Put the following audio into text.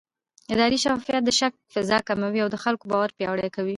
اداري شفافیت د شک فضا کموي او د خلکو باور پیاوړی کوي